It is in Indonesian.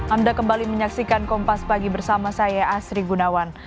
anda kembali menyaksikan kompas pagi bersama saya asri gunawan